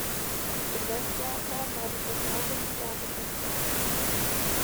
In Westjapan war die Versorgungslage besser.